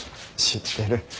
知ってる。